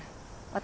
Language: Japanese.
私